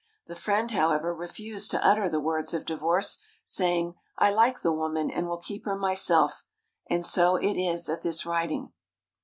The friend, however, refused to utter the words of divorce, saying, "I like the woman and will keep her myself/' and so it is at this writing.